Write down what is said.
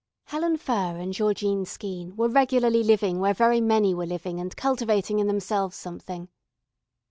Helen Furr and Georgine Skeene were regularly living where very many were living and cultivating in themselves something.